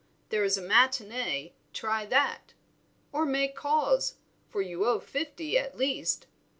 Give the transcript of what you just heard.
There is a matinée, try that; or make calls, for you owe fifty at least.